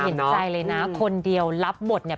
เห็นใจเลยนะคนเดียวรับบทเนี่ย